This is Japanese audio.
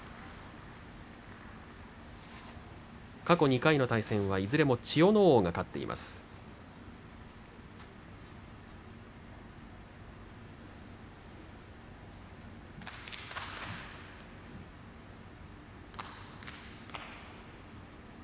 過去２回の対戦は、いずれも千代ノ皇が勝っています。